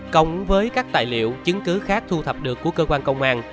cộng với các tài liệu chứng cứ khác thu thập được của cơ quan công an